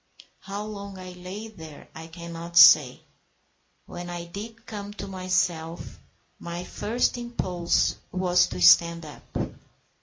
How long I lay there I cannot say. When I did come to myself, my first impulse was to stand up.